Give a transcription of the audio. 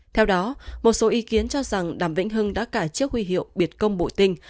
theo đó một số ý kiến cho rằng đàm vĩnh hưng đã cả chiếc huy hiệu biệt công bộ tinh